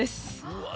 うわ